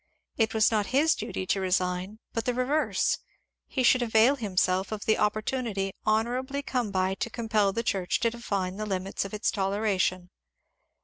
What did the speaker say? It was not his duty to resign, but the reverse; he should avail himself of the opportunity honourably come by to compel the church to de fine the limits of its toleration.